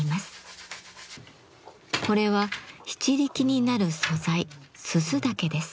これは篳篥になる素材煤竹です。